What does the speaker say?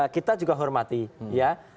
kita juga hormati ya